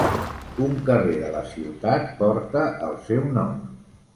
Un carrer de la ciutat porta el seu nom.